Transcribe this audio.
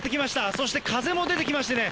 そして風も出てきましてね、